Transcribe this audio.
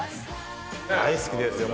大好きですよ